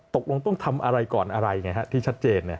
ตกลงต้องทำอะไรก่อนอะไรไงฮะที่ชัดเจน